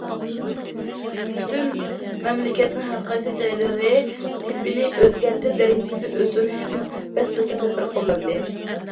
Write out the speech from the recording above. پۈتۈن مەملىكەتنىڭ ھەرقايسى جايلىرى تىپنى ئۆزگەرتىپ، دەرىجىسىنى ئۆستۈرۈش ئۈچۈن، بەس- بەستە تەدبىر قوللاندى.